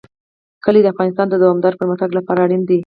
کلي د افغانستان د دوامداره پرمختګ لپاره اړین دي.